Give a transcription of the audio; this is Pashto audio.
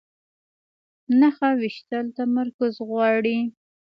نښه ویشتل تمرکز غواړي